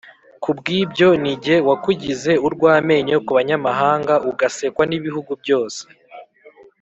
Ku bw’ibyo ni jye wakugize urw’amenyo ku banyamahanga, ugasekwa n’ibihugu byose